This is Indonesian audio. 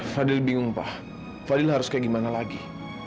fadil bingung pak fadil harus kayak gimana lagi